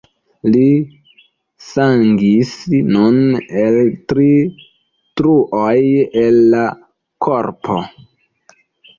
Li sangis nun el tri truoj el la korpo.